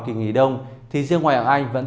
kỳ nghỉ đông thì riêng ngoài ảo anh vẫn